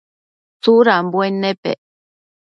Tsudambuen nepec ?